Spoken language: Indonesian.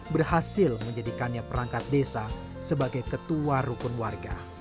berhasil menjadikannya perangkat desa sebagai ketua rukun warga